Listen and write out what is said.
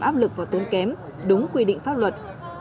áp lực và tốn kém đúng quy định pháp luật